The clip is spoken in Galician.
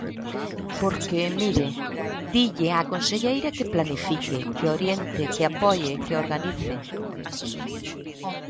Porque, mire: dille á conselleira que planifique, que oriente, que apoie, que organice.